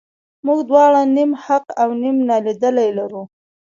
موږ دواړه نیم حق او نیم نالیدلي لرو.